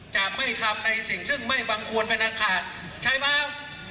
จะไม่ทำในสิ่งซึ่งไม่วางควรไปนะค่ะใช่เปล่า